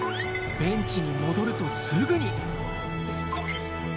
ベンチに戻ると、すぐに。